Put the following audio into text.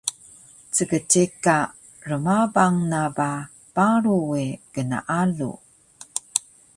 Ckceka rmabang na ba paru we gnaalu